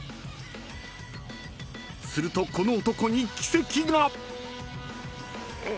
［するとこの男に奇跡が］え。